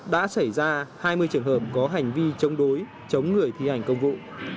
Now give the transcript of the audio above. đã xảy ra hai mươi trường hợp có hành vi chống đối chống người thi hành công vụ